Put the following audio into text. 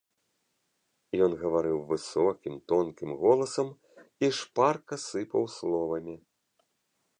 Ён гаварыў высокім, тонкім голасам і шпарка сыпаў словамі.